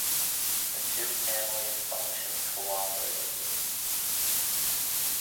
The two families function cooperatively.